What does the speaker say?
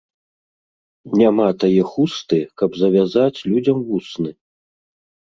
Няма тае хусты, каб завязаць людзям вусны